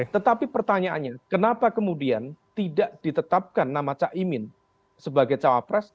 tetapi pertanyaannya kenapa kemudian tidak ditetapkan nama caimin sebagai cawapres